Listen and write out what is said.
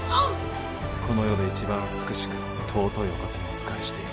この世で一番美しく尊いお方にお仕えしている。